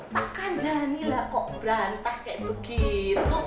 takkan daniela kok berantah kayak begitu